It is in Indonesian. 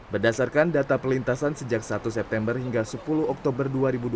berdasarkan data perlintasan sejak satu september hingga sepuluh oktober dua ribu dua puluh